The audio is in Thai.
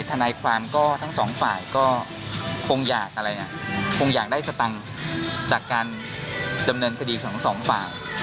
ทนายความก็ทั้งสองฝ่ายก็คงอยากอะไรนะคงอยากได้สตังค์จากการดำเนินคดีของสองฝ่าย